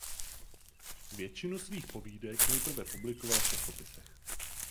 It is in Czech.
Většinu svých povídek nejprve publikoval v časopisech.